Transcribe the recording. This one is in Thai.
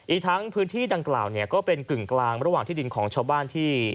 อีกทั้งพื้นที่ดังกล่าวเนี่ยก็เป็นกึ่งกลางระหว่างที่ดินของชาวบ้านที่